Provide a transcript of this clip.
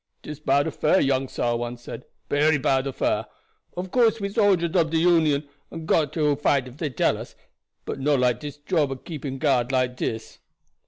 "Dis bad affair, young sah," one said; "bery bad affair. Ob course we soldiers ob de Union, and got to fight if dey tell us; but no like dis job ob keeping guard like dis."